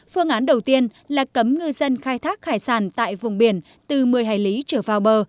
phương án đầu tiên là cấm ngư dân khai thác hải sản tại vùng biển từ một mươi hải lý trở vào bờ